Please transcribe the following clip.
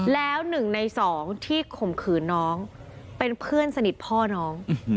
แล้วหนึ่งในสองที่ข่มขืนน้องเป็นเพื่อนสนิทพ่อน้อง